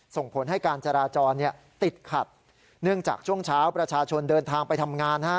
ส่งผลให้การจราจรติดขัดเนื่องจากช่วงเช้าประชาชนเดินทางไปทำงาน